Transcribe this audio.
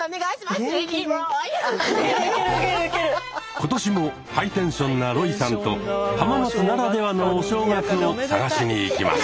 今年もハイテンションなロイさんと浜松ならではのお正月を探しに行きます。